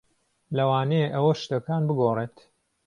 لەوانەیە ئەوە شتەکان بگۆڕێت.